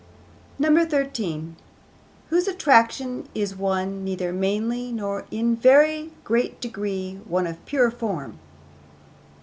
13. Whose attraction is one neither mainly nor in any very great degree one of pure form.